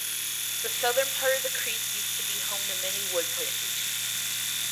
The southern part of the creek used to be home to many wood plantations.